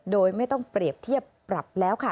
โดยไม่ต้องเปรียบเทียบปรับแล้วค่ะ